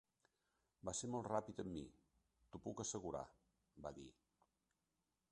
"Va ser molt ràpid amb mi, t'ho puc assegurar!", va dir.